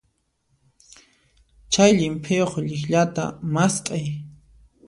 Chay llimp'iyuq llikllata mast'ay.